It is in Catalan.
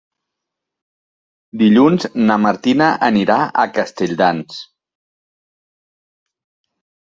Dilluns na Martina anirà a Castelldans.